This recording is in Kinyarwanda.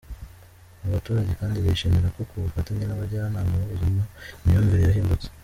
Aba baturage kandi bishimira ko ku bufatanye n’abajyanama b’ubuzima, imyumvire yahindutse.